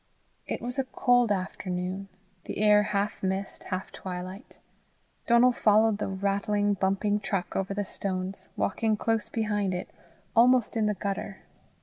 It was a cold afternoon, the air half mist, half twilight. Donal followed the rattling, bumping truck over the stones, walking close behind it, almost in the gutter.